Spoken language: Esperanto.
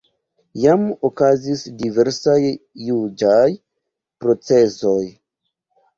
Jam okazis diversaj juĝaj procesoj.